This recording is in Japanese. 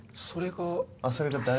それが？